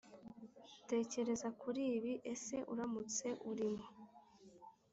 Tekereza kuri ibi Ese uramutse urimo